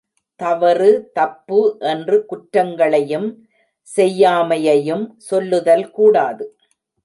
தவறு, தப்பு என்று குற்றங்களையும் செய்யாமையையும் சொல்லுதல் கூடாது.